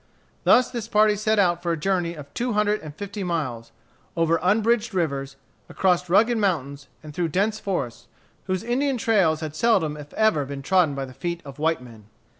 Thus this party set out for a journey of two hundred and fifty miles, over unbridged rivers, across rugged mountains, and through dense forests, whose Indian trails had seldom if ever been trodden by the feet of white men.